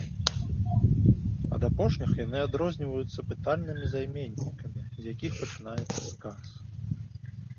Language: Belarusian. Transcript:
Ад апошніх яны адрозніваюцца пытальнымі займеннікамі, з якіх пачынаецца сказ.